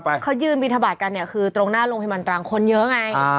แล้วเขายืนบินทบาทกันเนี่ยคือตรงหน้าโรงพิมันตรางคนเยอะไง